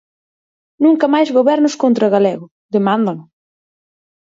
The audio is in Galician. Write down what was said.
"Nunca máis Gobernos contra o galego", demandan.